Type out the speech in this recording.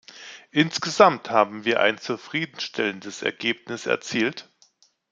Insgesamt haben wir ein zufrieden stellendes Ergebnis erzielt.